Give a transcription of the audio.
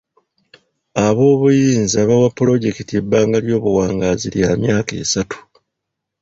Ab'obuyinza baawa pulojekiti ebbanga ly'obuwangaazi lya myaka esatu.